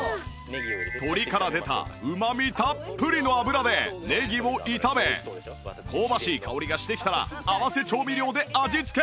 鶏から出たうまみたっぷりの油でネギを炒め香ばしい香りがしてきたら合わせ調味料で味付け！